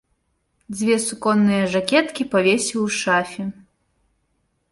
Дзве суконныя жакеткі павесіў у шафе.